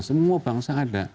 semua bangsa ada